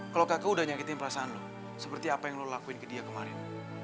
kalau kakak udah nyakitin perasaan lo seperti apa yang lo lakuin ke dia kemarin